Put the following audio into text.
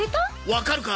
わかるか？